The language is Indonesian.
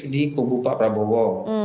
di kubu pak prabowo